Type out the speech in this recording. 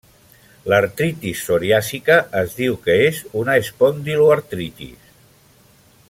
L'artritis psoriàsica es diu que és una espondiloartritis.